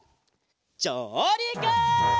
じょうりく！